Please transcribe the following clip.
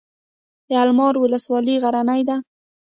د المار ولسوالۍ غرنۍ ده